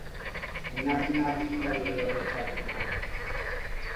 እናትና ቡችላ የህይወት ተምሳሌቶች ናቸው፡፡